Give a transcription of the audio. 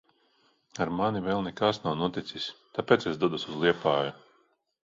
Ar mani vēl nekas nav noticis. Tāpēc es dodos uz Liepāju.